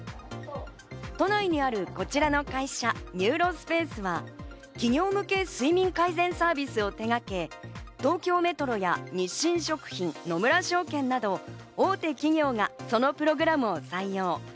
都内にあるこちらの会社、ニューロスペースは企業向け睡眠改善サービスを手がけ、東京メトロや日清食品、野村證券など大手企業がそのプログラムを採用。